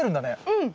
うん。